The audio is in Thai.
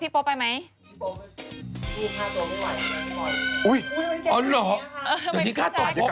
พี่โป๊ะลองลับพี่โป๊ะไปไหม